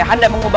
aku sudah selesai